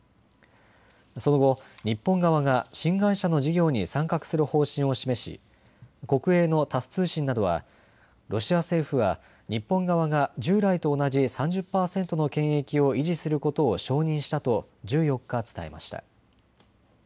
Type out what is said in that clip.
その後、日本側が新会社の事業に参画する方針を示し国営のタス通信などはロシア政府は日本側が従来と同じ３０％の権益を維持することを承認したと１４日、伝えました。